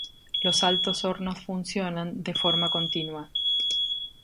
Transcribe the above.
Los altos hornos funcionan de forma continua.